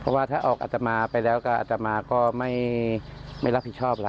เพราะว่าถ้าออกอัตมาไปแล้วก็อัตมาก็ไม่รับผิดชอบล่ะ